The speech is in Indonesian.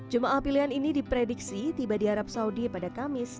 jemaah pilihan ini diprediksi tiba di arab saudi pada kamis